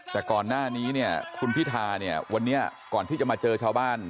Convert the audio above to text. แต่ก่อนหน้านี้เนี่ยคุณพิธาเนี่ยวันนี้ก่อนที่จะมาเจอชาวบ้าน